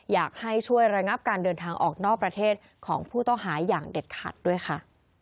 อยากให้ช่วยระงับการเดินทางออกนอกประเทศของผู้ต้องหาอย่างเด็ดขาดด้วยค่ะ